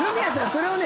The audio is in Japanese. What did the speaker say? それをね